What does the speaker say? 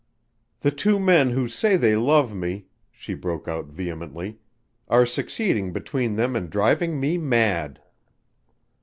"The two men who say they love me," she broke out vehemently, "are succeeding between them in driving me mad."